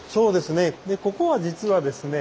ここは実はですね